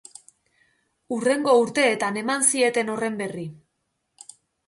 Hurrengo urteetan eman zieten horren berri.